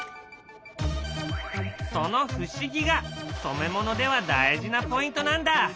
その不思議が染め物では大事なポイントなんだ！